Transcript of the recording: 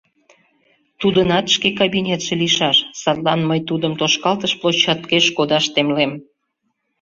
— Тудынат шке «кабинетше» лийшаш, садлан мый тудым тошкалтыш площадкеш кодаш темлем.